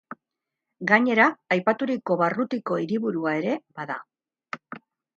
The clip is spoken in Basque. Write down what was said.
Gainera, aipaturiko barrutiko hiriburua ere bada.